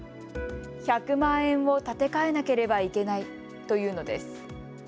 １００万円を立て替えなければいけないと言うのです。